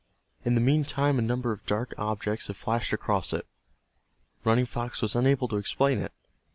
In the meantime a number of dark objects had flashed across it. Running Fox was unable to explain it.